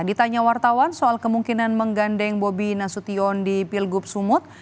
ditanya wartawan soal kemungkinan menggandeng bobi nasution di pilgub sumut